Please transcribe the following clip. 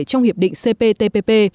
trong hiệp định cptpp